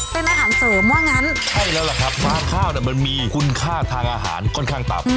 เป็นอาหารเสริมว่างั้นใช่แล้วล่ะครับฟางข้าวเนี่ยมันมีคุณค่าทางอาหารค่อนข้างต่ำ